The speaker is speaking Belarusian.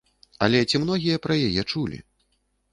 Але ці многія пра яе чулі?